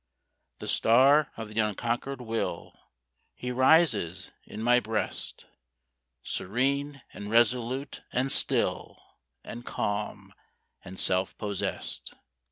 The star of the unconquered will, He rises in my breast, Serene, and resolute, and still, And calm, and self possessed.